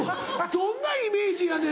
どんなイメージやねん！